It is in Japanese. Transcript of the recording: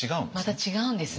また違うんですね。